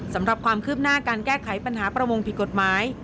สำหรับความคืบหน้าการแก้ไขปัญหาประมงผิดกฎหมาย